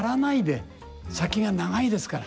先が長いですから。